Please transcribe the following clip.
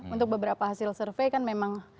untuk beberapa hasil survei kan memang